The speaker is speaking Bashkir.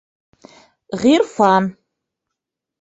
Ғирфан